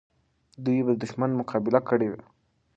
دوی به د دښمن مقابله کړې وه.